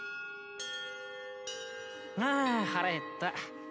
あ腹減った。